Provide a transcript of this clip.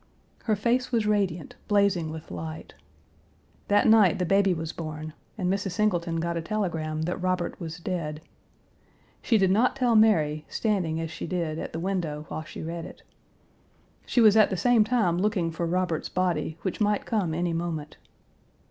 Her face was radiant, blazing with light. That night the baby was born, and Mrs. Singleton got a telegram that Robert was dead. She did not tell Mary, standing, as she did, at the window while she read it. She was at the same time looking for Robert's body, which might come any moment.